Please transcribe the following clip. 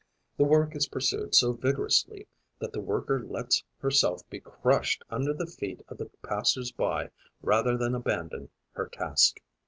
The work is pursued so vigorously that the worker lets herself be crushed under the feet of the passers by rather than abandon her task.